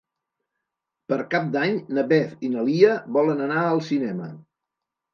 Per Cap d'Any na Beth i na Lia volen anar al cinema.